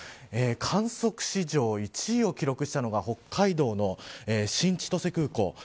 観測史上、１位を記録したのが北海道の新千歳空港。